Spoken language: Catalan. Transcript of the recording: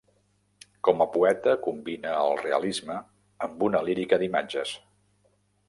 Com a poeta combina el realisme amb una lírica d'imatges.